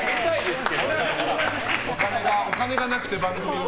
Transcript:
お金がなくて、番組も。